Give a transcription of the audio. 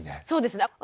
そうですね。